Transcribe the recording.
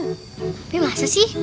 tapi masa sih